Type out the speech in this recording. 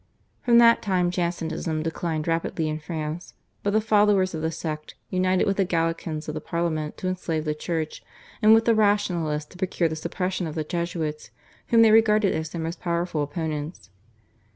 From that time Jansenism declined rapidly in France, but the followers of the sect united with the Gallicans of the Parliament to enslave the Church, and with the Rationalists to procure the suppression of the Jesuits, whom they regarded as their most powerful opponents.